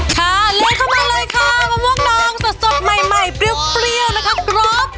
ค่ะลื้อเข้ามาเลยค่ะมะม่วงดองสดใหม่เปรี้ยวนะครับกรอบ